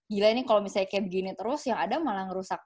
gila nih kalau misalnya kayak begini terus yang ada malah ngerusak